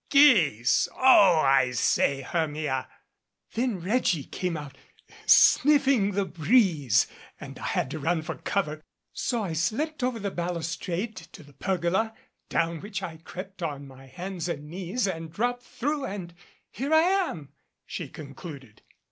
"Geese ! Oh, I say, Hermia !" "Then Reggie came out sniffing the breeze and I had to run for cover, so I slipped over the balustrade to the 81 MADCAP pergola, down which I crept on my hands and knees and dropped through and here I am," she concluded.